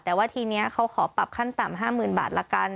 แต่ว่าทีนี้เขาขอปรับขั้นต่ำ๕๐๐๐บาทละกัน